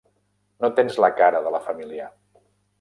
No tens la cara de la família.